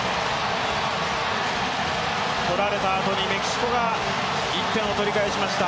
取られたあとにメキシコが１点を取り返しました。